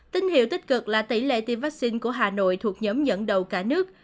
tin hiệu tích cực là tỷ lệ tiêm vaccine của hà nội thuộc nhóm dẫn đầu cả nước